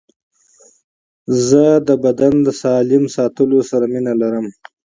زه د بدن د سالم ساتلو سره مینه لرم.